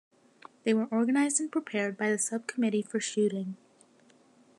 They were organized and prepared by the Sub-Committee for Shooting.